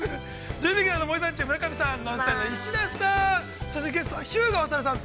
準レギュラーの森三中村上さん、ＮＯＮＳＴＹＬＥのＮＯＮＳＴＹＬＥの石田さん。